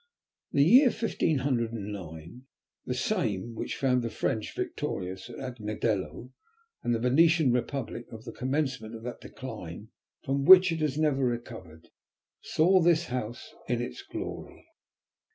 The year fifteen hundred and nine, the same which found the French victorious at Agnadello, and the Venetian Republic at the commencement of that decline from which it has never recovered, saw this house in its glory.